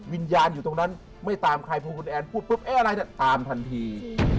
วิญญาณอยู่ตรงนั้นไม่ตามใครพูดคุณแอนพูดปุ๊บอะไรตามทันที